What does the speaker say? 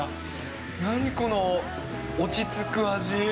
何この、落ち着く味。